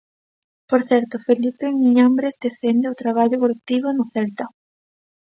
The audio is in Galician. Por certo, Felipe Miñambres defende o traballo colectivo no Celta.